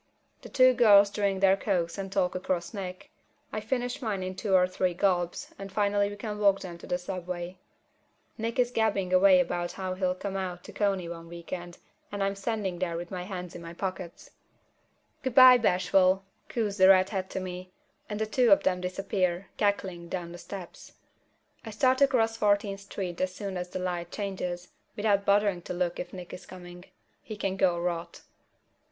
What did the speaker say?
The two girls drink their cokes and talk across Nick. I finish mine in two or three gulps, and finally we can walk them to the subway. Nick is gabbing away about how he'll come out to Coney one weekend, and I'm standing there with my hands in my pockets. "Goo'bye, Bashful!" coos the redhead to me, and the two of them disappear, cackling, down the steps. I start across Fourteenth Street as soon as the light changes, without bothering to look if Nick is coming. He can go rot.